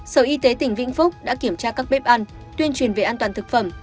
sở y tế tỉnh vĩnh phúc đã kiểm tra các bếp ăn tuyên truyền về an toàn thực phẩm